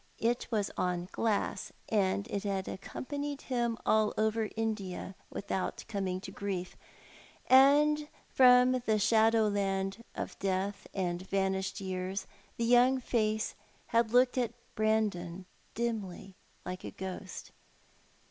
It was on glass, and it had accompanied him all over India without coming to grief; and from the shadow land of death and vanished years the young face had looked at Brandon dimly, like a ghost.